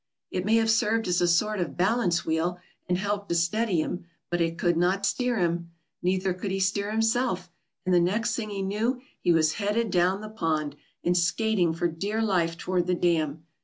It may have served as a sort of balance wheel, and helped to steady him, but it could not steer him. Neither could he steer himself, and the next thing he knew he was headed down the pond, and skating for dear life toward the dam.